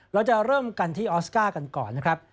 เราจะเริ่มกันที่ออสการ์กันก่อนนะครับ